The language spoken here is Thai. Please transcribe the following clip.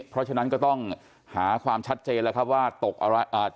เพราะฉะนั้นก็ต้องหาความชัดเจนแล้วครับว่าตกอะไรอ่า